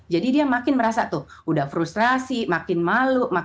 jadi dia makin merasa tuh udah frustrasi makin malu makin sakit